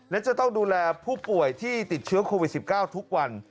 และจะต้องดูแลผู้ป่วยที่ติดเชื้อโควิด๑๙ทุกวัน